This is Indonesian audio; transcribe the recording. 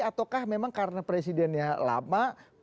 ataukah memang karena presidennya lama